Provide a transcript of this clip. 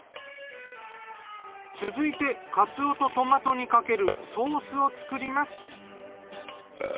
続いてカツオとトマトにかけるソースを作ります。